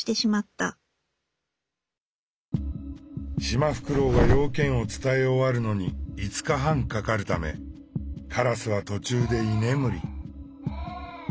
シマフクロウが用件を伝え終わるのに５日半かかるためカラスは途中で居眠り。